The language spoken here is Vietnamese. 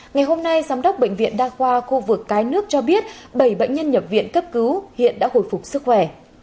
ngày hôm nay giám đốc bệnh viện đa khoa khu vực cái nước cho biết bảy bệnh nhân nhập viện cấp cứu hiện đã hồi phục sức khỏe